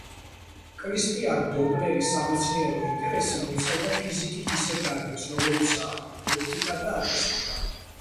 კრისტიან დოპლერის სამეცნიერო ინტერესი მოიცავდა ფიზიკის ისეთ დარგებს როგორიცაა: ოპტიკა და აკუსტიკა.